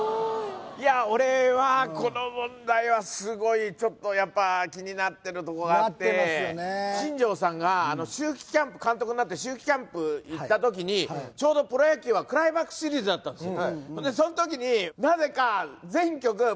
俺はこの問題はスゴイちょっとやっぱ気になってるとこがあって新庄さんが監督になって秋季キャンプ行った時にちょうどプロ野球はクライマックスシリーズやってたんです